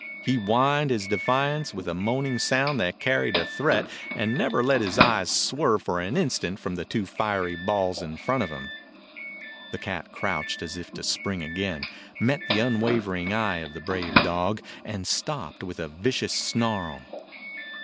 He whined his defiance with a moaning sound that carried a threat, and never let his eyes swerve for an instant from the two fiery balls in front of him. The cat crouched as if to spring again, met the unwavering eye of the brave dog, and stopped with a vicious snarl.